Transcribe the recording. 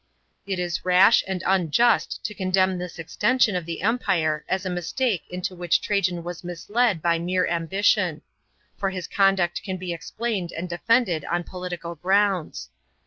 It is iash and ui just to condemn this extension of the Empire as a mistake into which Trajan was misled by mere ambition; for his conduct can be exp'airied and defended on political grounds.